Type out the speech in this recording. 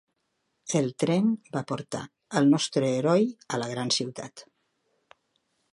El tren va portar el nostre heroi a la gran ciutat.